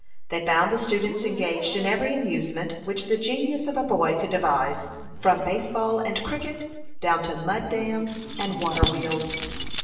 They found the students engaged in every amusement which the genius of a boy could devise, from base ball and cricket down to mud dams and water wheels.